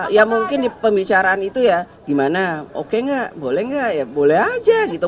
ya mungkin di pembicaraan itu ya gimana oke nggak boleh nggak ya boleh aja gitu